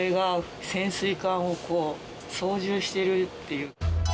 ああ、女性が潜水艦をこう、操縦してるっていう。